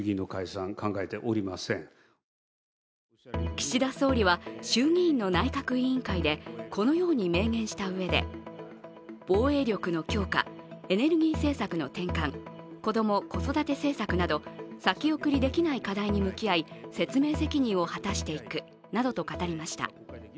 岸田総理は衆議院の内閣委員会でこのように明言したうえで防衛力の強化、エネルギー政策の転換、子ども・子育て政策など先送りできない課題に向き合い説明責任を果たしていくなどと語りました。